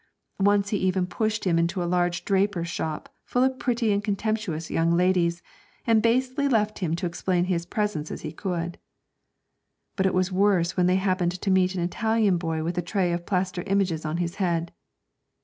Once he even pushed him into a large draper's shop, full of pretty and contemptuous young ladies, and basely left him to explain his presence as he could. But it was worse when they happened to meet an Italian boy with a tray of plaster images on his head.